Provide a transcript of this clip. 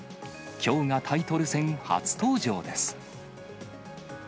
きょうがタイトル戦初登場です。